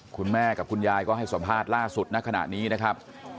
คุณแม่กับคุณยายก็ให้สัมภาษณ์ล่าสุดณขณะนี้นะครับ